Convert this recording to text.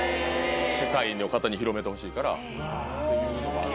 世界の方に広めてほしいからっていうのがあるんで。